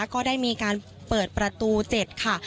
ก็ได้มีการเปิดประตู๗ค่ะ